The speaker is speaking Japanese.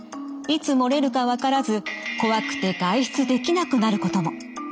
いつ漏れるか分からず怖くて外出できなくなることも。